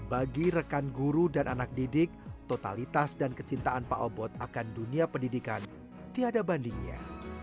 bagi rekan guru dan anak didik totalitas dan kecintaan pak obot akan dunia pendidikan tiada bandingnya